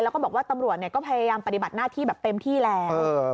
แล้วก็บอกว่าตำรวจก็พยายามปฏิบัติหน้าที่แบบเต็มที่แล้ว